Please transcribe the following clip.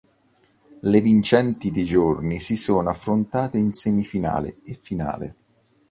Le vincenti dei gironi si sono affrontate in semifinale e finale.